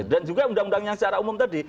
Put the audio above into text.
dan juga undang undang yang secara umum tadi